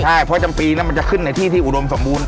ใช่เพราะจำปีมันจะขึ้นในที่อุดมสมบูรณ์